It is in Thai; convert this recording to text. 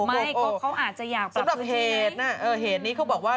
ไม่เขาอาจจะอยากปรับธุรกิจไหมเออเหตุนี้เขาบอกว่า